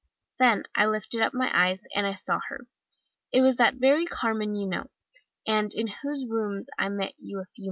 Then I lifted up my eyes, and I saw her! It was that very Carmen you know, and in whose rooms I met you a few months ago.